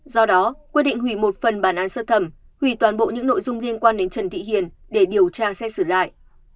do đó quyết định hủy một phần bản án sơ thẩm hủy toàn bộ những nội dung liên quan đến trần thị hiền để điều tra xét xử lại